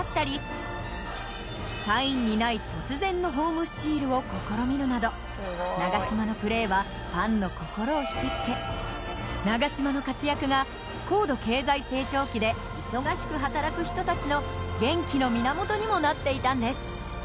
サインにない突然のホームスチールを試みるなど長嶋のプレーはファンの心を引きつけ長嶋の活躍が高度経済成長期で忙しく働く人たちの元気の源にもなっていたんです。